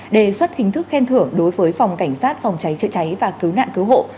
đề xuất hình thức khen thưởng đối với phòng cảnh sát phòng cháy chữa cháy và cứu nạn cứu hộ